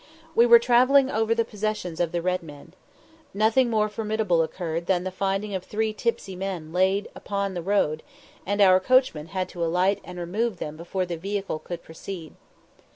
We were travelling over the possessions of the Red men. Nothing more formidable occurred than the finding of three tipsy men laid upon the road; and our coachman had to alight and remove them before the vehicle could proceed.